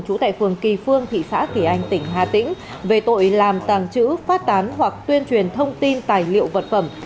trú tại phường kỳ phương thị xã kỳ anh tỉnh hà tĩnh về tội làm tàng trữ phát tán hoặc tuyên truyền thông tin tài liệu vật phẩm